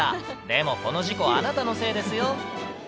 でも、この事故、あなたのせいですよ。